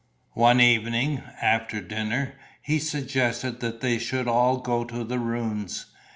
One evening, after dinner, he suggested that they should all go to the ruins.